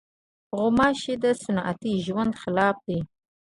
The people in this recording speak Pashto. غوماشې د صحي ژوند خلاف دي.